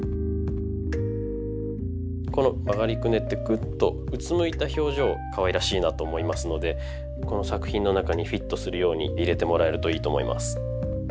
この曲がりくねってくっとうつむいた表情かわいらしいなと思いますのでこの作品の中にフィットするように入れてもらえるといいと思います。